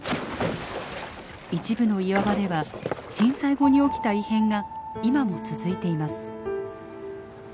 一部の岩場では震災後に起きた異変が今も続いています。